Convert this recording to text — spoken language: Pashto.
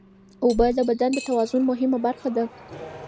اوبه د بدن د توازن مهمه برخه ده.